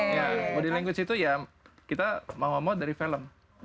ya body language itu ya kita mau ngomong dari film